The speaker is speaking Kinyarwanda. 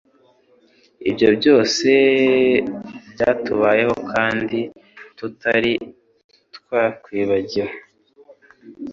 Ibyo byose byatubayeho kandi tutari twakwibagiwe